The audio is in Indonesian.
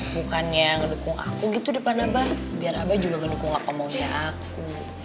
bukannya ngedukung aku gitu di depan abah biar abah juga ngedukung ngakomolnya aku